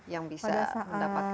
yang bisa mendapatkan ya